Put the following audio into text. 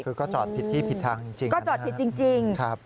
คือก็จอดที่ผิดทางจริงนะครับ